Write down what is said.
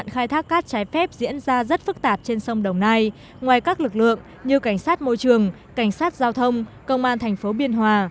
khai thác cát trái phép diễn ra rất phức tạp trên sông đồng nai ngoài các lực lượng như cảnh sát môi trường cảnh sát giao thông công an thành phố biên hòa